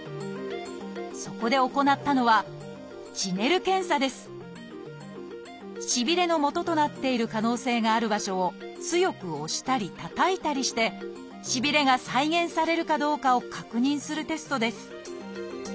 そこで行ったのはしびれのもととなっている可能性がある場所を強く押したりたたいたりしてしびれが再現されるかどうかを確認するテストです